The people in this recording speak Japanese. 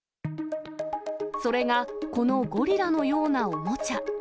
それがこのゴリラのようなおもちゃ。